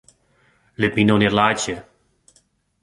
Lit my no net laitsje!